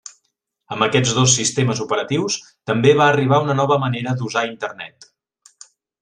Amb aquests dos sistemes operatius també va arribar una nova manera d'usar Internet.